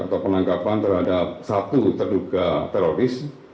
atau penangkapan terhadap satu terduga teroris